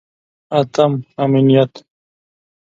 اتم: امنیت.